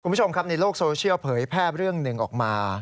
คุณผู้ชมครับในโลกโซเชียลเผยแพร่เรื่องหนึ่งออกมา